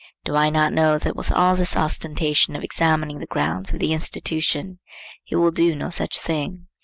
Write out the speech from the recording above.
Do I not know that with all this ostentation of examining the grounds of the institution he will do no such thing?